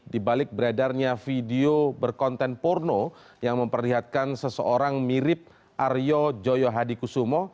di balik beredarnya video berkonten porno yang memperlihatkan seseorang mirip aryo joyo hadikusumo